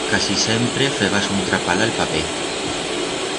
Casi sempre febas un trapal a'l paper.